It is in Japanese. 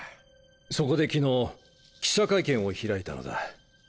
そこで昨日記者会見を開いたのだ。